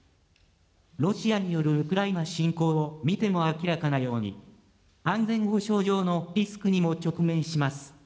ロシアによるウクライナ侵攻を見ても明らかなように、安全保障上のリスクにも直面します。